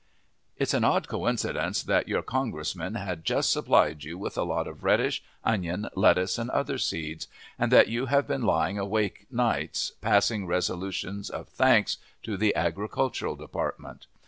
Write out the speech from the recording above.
It's an odd coincidence that your Congressman has just supplied you with a lot of radish, onion, lettuce, and other seeds, and that you have been lying awake nights passing resolutions of thanks to the Agricultural Department.